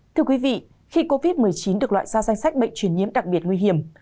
thưa quý vị khi covid một mươi chín được loại ra danh sách bệnh truyền nhiễm đặc biệt nguy hiểm